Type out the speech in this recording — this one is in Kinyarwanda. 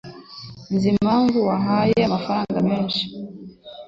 Nzi impamvu wahaye amafaranga menshi.